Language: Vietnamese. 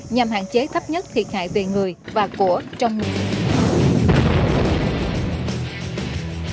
nhằm hạn chế thấp nhất thiệt hại về người và của trong